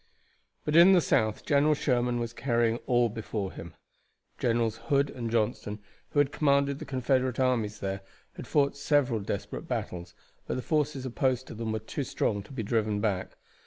But in the South General Sherman was carrying all before him. Generals Hood and Johnston, who commanded the Confederate armies there, had fought several desperate battles, but the forces opposed to them were too strong to be driven back.